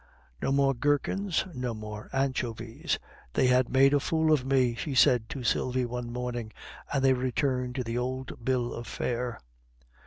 "No more gherkins, no more anchovies; they have made a fool of me!" she said to Sylvie one morning, and they returned to the old bill of fare.